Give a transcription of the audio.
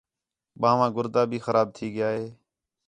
ٻان٘ہواں گُردا بھی خراب تھی ڳِیا ہِے